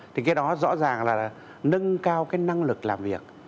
thì cái đó rõ ràng là nâng cao cái năng lực làm việc